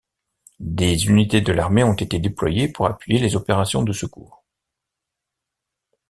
Des unités de l'armée ont été déployées pour appuyer les opérations de secours.